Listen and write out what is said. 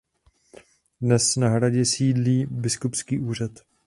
Dnes na hradě sídlí biskupský úřad.